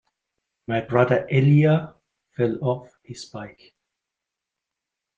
My brother Elijah fell off his bike.